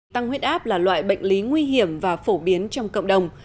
tăng huyết áp là loại bệnh lý nguy hiểm và phổ biến trong cộng đồng